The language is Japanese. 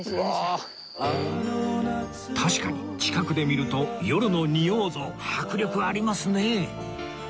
確かに近くで見ると夜の仁王像迫力ありますね